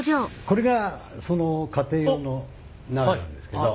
これがその家庭用の鍋なんですけど。